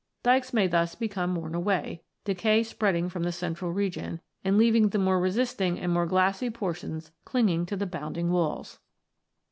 Dykes may thus become worn away, decay spreading from the central region, and leaving the more resisting and more glassy portions clinging to the bounding walls.